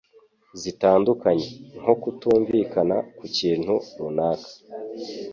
zitandukanye nko kutumvikana ku kintu runaka